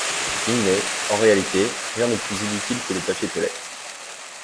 Il n’est, en réalité, rien de plus inutile que le papier toilette.